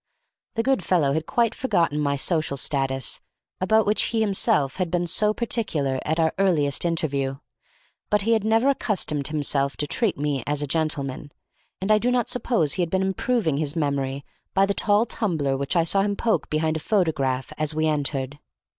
The good fellow had quite forgotten my social status, about which he himself had been so particular at our earliest interview; but he had never accustomed himself to treat me as a gentleman, and I do not suppose he had been improving his memory by the tall tumbler which I saw him poke behind a photograph as we entered.